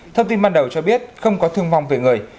thông tin ban đầu cho biết không có thương vong về người